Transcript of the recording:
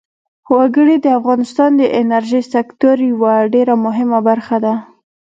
وګړي د افغانستان د انرژۍ سکتور یوه ډېره مهمه برخه ده.